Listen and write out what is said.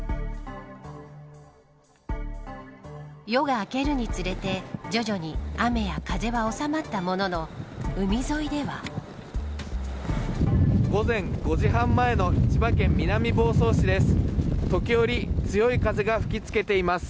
夜が明けるにつれて徐々に雨や風はおさまったものの午前５時半前の千葉県南房総市です。